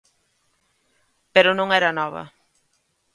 Pero non era nova.